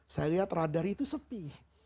saya lihat radar itu sepi